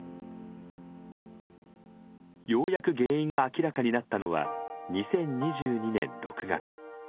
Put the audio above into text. ようやく原因が明らかになったのは２０２２年６月。